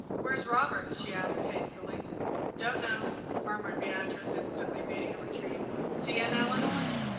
"Where's Robert?" she asked hastily. "Don't know," murmured Beatrice, instantly beating a retreat. "See, Aunt Eleanor."